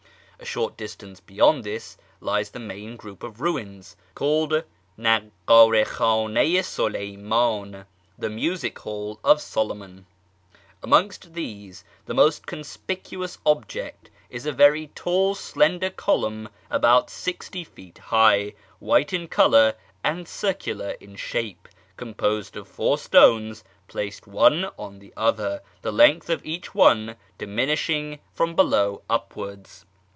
A short distance beyond this lies the main group of ruins, called Nakkdra k}idn6 i Sideymdn ("the Music hall of Solomon "). Amongst these the most conspicuous object is a very tall slender column about sixty feet high, white in colour, and circular in shape, composed of four stones placed one on the other, the length of each one diminishing from below upwards.